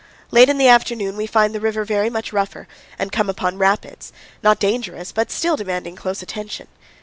Late in the afternoon we find the river very much rougher and come upon rapids, not dangerous, but still demanding close attention.